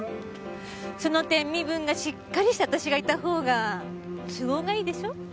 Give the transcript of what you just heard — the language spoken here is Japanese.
その点身分がしっかりした私がいた方が都合がいいでしょ？